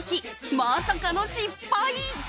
まさかの失敗！